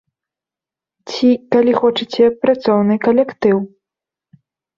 Ці, калі хочаце, працоўны калектыў.